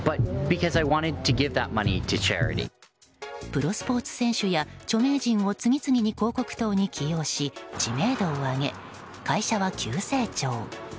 プロスポーツ選手や著名人を次々に広告塔に起用し知名度を上げ、会社は急成長。